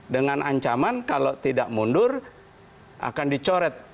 dengan ancaman kalau tidak mundur akan dicoret